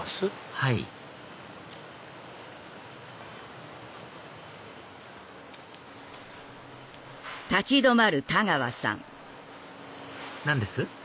はい何です？